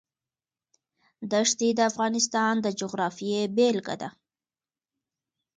دښتې د افغانستان د جغرافیې بېلګه ده.